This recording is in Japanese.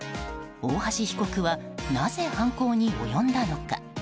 大橋被告はなぜ犯行に及んだのか。